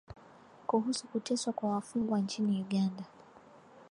kuhusu kuteswa kwa wafungwa nchini Uganda